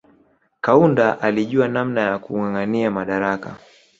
Kaunda alijua namna ya kungangania madarakani